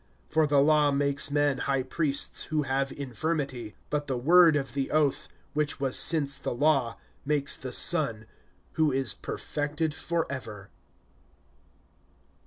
(28)For the law makes men high priests who have infirmity; but the word of the oath, which was since the law, makes the Son, who is perfected forever.